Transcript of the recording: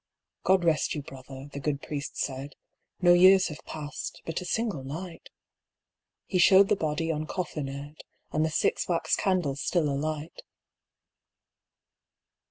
"God rest you, brother," the good priest said, "No years have passed—but a single night." He showed the body uncoffinèd, And the six wax candles still alight.